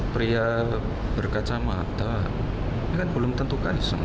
pria berkaca mata ini kan belum tentu kaisang